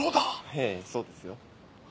ええそうですよ。